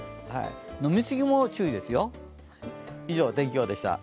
飲みすぎも注意ですよ。